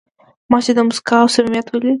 ما چې د ده موسکا او صمیمیت ولید.